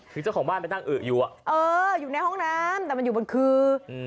คือเจ้าของบ้านไปนั่งอึอยู่อ่ะเอออยู่ในห้องน้ำแต่มันอยู่บนคือ